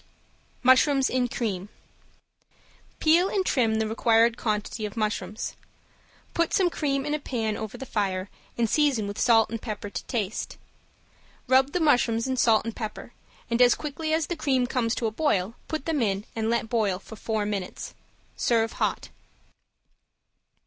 ~MUSHROOMS IN CREAM~ Peel and trim the required quantity of mushrooms. Put some cream in a pan over the fire and season with pepper and salt to taste. Rub the mushrooms in salt and pepper, and as quickly as the cream comes to a boil put them in and let boil for four minutes. Serve hot.